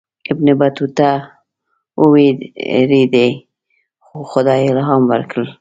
ابن بطوطه ووېرېدی خو خدای الهام ورکړ.